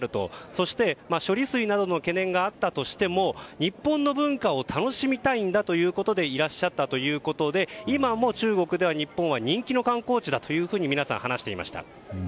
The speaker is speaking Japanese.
そして処理水などの懸念があったとしても日本の文化を楽しみたいんだということでいらっしゃったということで今も中国では日本は人気の観光地だと皆さん話していました。